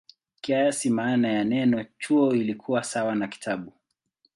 Kiasili maana ya neno "chuo" ilikuwa sawa na "kitabu".